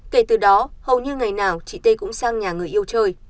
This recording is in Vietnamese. kể từ đó hầu như ngày nào chị t cũng sang nhà người yêu chơi